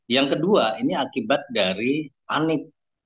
yang kedua ini akibat dari panik